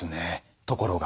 ところが。